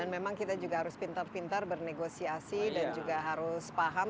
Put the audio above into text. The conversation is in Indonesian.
dan memang kita juga harus pintar pintar bernegosiasi dan juga harus paham